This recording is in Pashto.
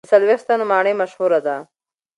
د څلوېښت ستنو ماڼۍ مشهوره ده.